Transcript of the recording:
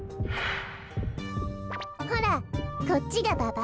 ほらこっちがババ？